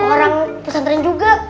orang pesantren juga